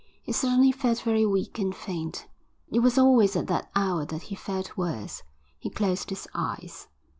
He suddenly felt very weak and faint. It was always at that hour that he felt worse. He closed his eyes.